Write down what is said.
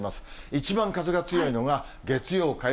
一番風が強いのが月曜、火曜、